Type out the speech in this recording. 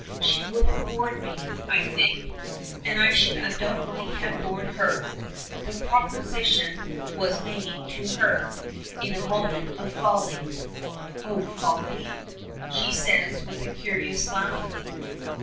She would have bored me, I think, and I should undoubtedly have bored her. The proposition was made to her in a moment of folly." "Oh, folly?" says she with a curious laugh.